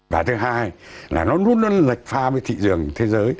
và thứ hai là nó luôn luôn lệch lệch pha với thị trường thế giới